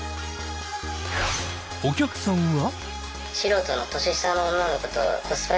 お客さんは。